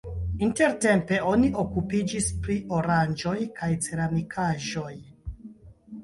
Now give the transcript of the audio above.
Intertempe oni okupiĝis pri oranĝoj kaj ceramikaĵoj.